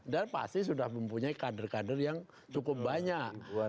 dan pasti sudah mempunyai kader kader yang cukup banyak